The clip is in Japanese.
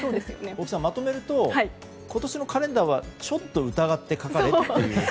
大木さん、まとめると今年のカレンダーはちょっと疑ってかかれという話ですね。